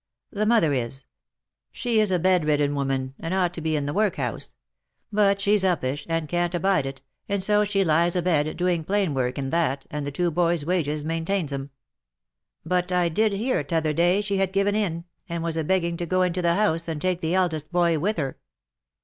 " The mother is. She is a bedridden woman, and ought to be in the workhouse ; but she's upish, and can't abide it, and so she lies abed, doing plain work and that, and the two boys' wages main tains 'em. But I did hear t'other day, she had given in, and was a begging to go into the house, and take the eldest boy with her.